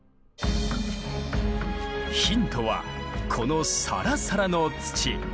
ヒントはこのサラサラの土。